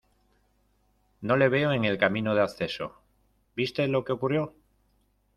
No le veo en el camino de acceso. ¿ viste lo qué ocurrió?